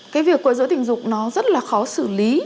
cái việc quấy dối tình dục nó rất là khó xử lý